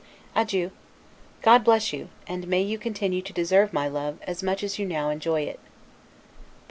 Adieu. God bless you, and may you continue to deserve my love, as much as you now enjoy it!